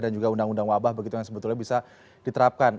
dan juga undang undang wabah yang sebetulnya bisa diterapkan